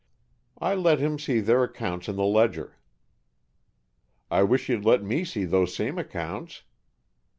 "I let him see their accounts in the ledger." "I wish you'd let me see those same accounts."